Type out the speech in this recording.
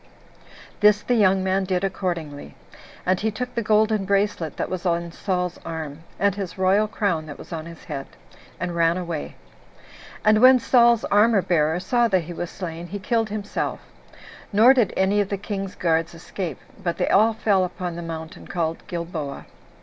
This the young man did accordingly; and he took the golden bracelet that was on Saul's arm, and his royal crown that was on his head, and ran away. And when Saul's armor bearer saw that he was slain, he killed himself; nor did any of the king's guards escape, but they all fell upon the mountain called Gilboa.